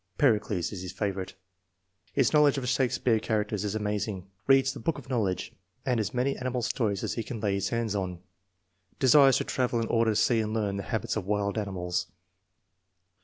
(Pericles is his favorite.) His knowledge of Shakespeare characters is amazing. Reads the Book of Knowledge and as many animal stories as he can lay his hands on. Desires to travel in order to see and learn the habits of wild animals.